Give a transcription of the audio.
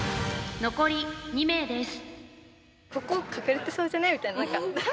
残り２名です。